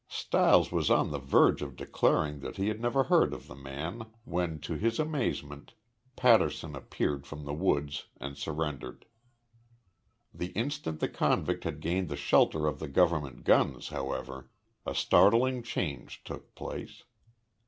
Stiles was on the verge of declaring that he had never heard of the man when, to his amazement, Patterson appeared from the woods and surrendered. The instant the convict had gained the shelter of the government guns, however, a startling change took place.